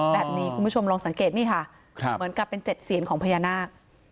แบบนี้คุณผู้ชมลองสังเกตนี่ค่ะเหมือนกับเป็น๗เสียนของพญานาค